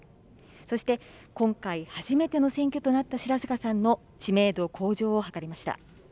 そして今回、初めての選挙となった白坂さんの知名度向上を図りました。